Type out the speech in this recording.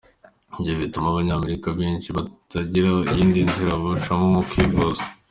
Ivyo bituma abanyamerika benshi batagira iyindi nzira bocamwo mu kwivuza.